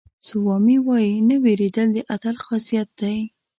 سوامي وایي نه وېرېدل د اتل خاصیت دی.